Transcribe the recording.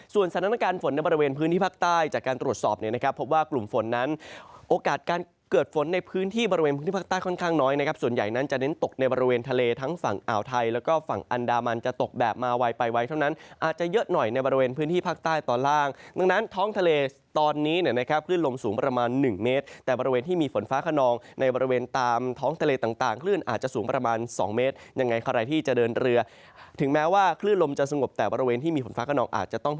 ส่วนสถานการณ์ฝนในบริเวณพื้นที่ภาคใต้จากการตรวจสอบเนี่ยนะครับพบว่ากลุ่มฝนนั้นโอกาสการเกิดฝนในพื้นที่บริเวณพื้นที่ภาคใต้ค่อนข้างน้อยนะครับส่วนใหญ่นั้นจะเน้นตกในบริเวณทะเลทั้งฝั่งอ่าวไทยแล้วก็ฝั่งอันดามันจะตกแบบมาไว้ไปไว้เท่านั้นอาจจะเยอะหน่อยในบริเวณพื้นท